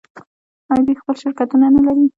آیا دوی خپل شرکتونه نلري؟